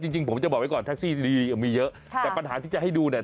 จริงผมจะบอกไว้ก่อนแท็กซี่ดีมีเยอะแต่ปัญหาที่จะให้ดูเนี่ย